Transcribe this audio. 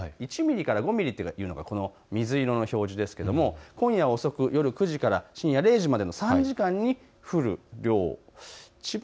１ミリから５ミリというのが水色の表示ですけれども今夜遅く夜９時から、深夜０時までの３時間に降る量です。